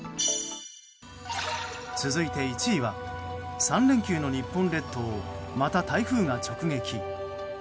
続いて１位は３連休の日本列島をまた台風が直撃。